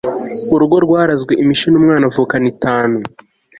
urugo rwarazwe imishino umwana avukana itanu